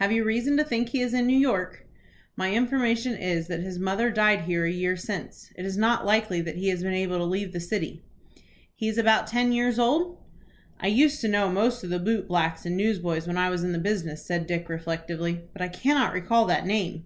"Have you reason to think he is in New York?" "My information is, that his mother died here a year since. It is not likely that he has been able to leave the city." "He is about ten years old?" "I used to know most of the boot blacks and newsboys when I was in the business," said Dick, reflectively; "but I cannot recall that name."